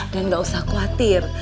dan gak usah khawatir